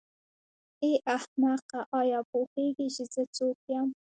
ای احمقه آیا پوهېږې چې زه څوک یم.